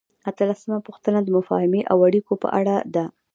اتلسمه پوښتنه د مفاهمې او اړیکو په اړه ده.